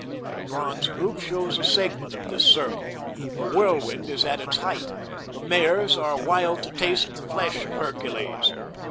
The bronze group shows a segment of this circle. The whirlwind is at its height. The mares are wild to taste the flesh of Hercules.